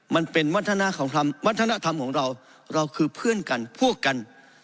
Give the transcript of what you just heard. วัฒนธรรมวัฒนธรรมของเราเราคือเพื่อนกันพวกกัน